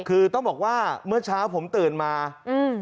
คือต้องบอกว่าเมื่อเช้าผมตื่นมาอืม